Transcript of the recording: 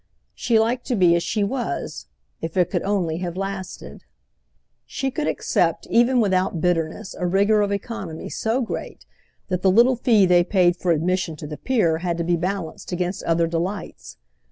She liked to be as she was—if it could only have lasted. She could accept even without bitterness a rigour of economy so great that the little fee they paid for admission to the pier had to be balanced against other delights.